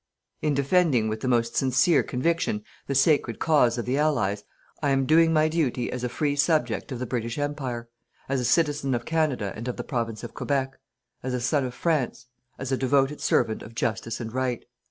"In defending with the most sincere conviction the sacred cause of the Allies, I am doing my duty as a free subject of the British Empire, as a citizen of Canada and of the Province of Quebec, as a son of France, as a devoted servant of Justice and Right.